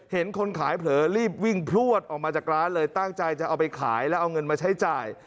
เห็นคนขายเผลอรีบวิ่งพลวดออกมาจากร้านเลยตั้งใจจะเอาไปขายแล้วเอาเงินมาใช้จ่าย